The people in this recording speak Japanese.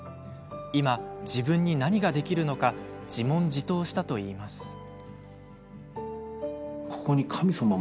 今、自分に何ができるのか自問自答したといいます。